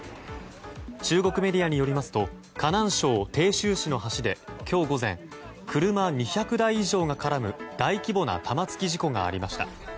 中国メディアによりますと河南省鄭州市の橋で今日午前車２００台以上が絡む大規模な玉突き事故がありました。